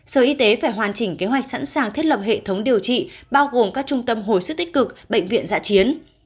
sở y tế phải hoàn chỉnh kế hoạch sẵn sàng thiết lập hệ thống điều trị bao gồm các trung tâm hồi sức tích cực bệnh viện dạ chiến